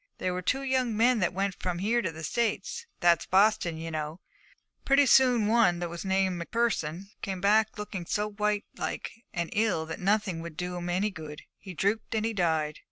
There were two young men that went from here to the States that's Boston, ye know. Well, pretty soon one, that was named M'Pherson, came back, looking so white like and ill that nothing would do him any good. He drooped and he died.